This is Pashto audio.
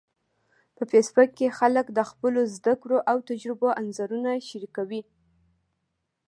په فېسبوک کې خلک د خپلو زده کړو او تجربو انځورونه شریکوي